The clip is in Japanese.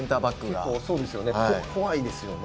結構そうですよね。